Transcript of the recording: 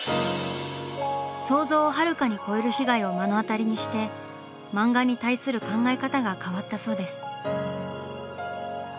想像をはるかに超える被害を目の当たりにして漫画に対する考え方が変わったそうです。